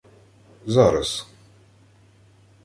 — Зараз.